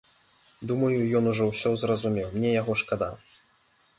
Думаю, ён ужо ўсё зразумеў, мне яго шкада.